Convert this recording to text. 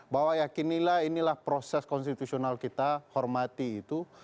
bahwa yakinilah inilah proses konstitusional kita hormati itu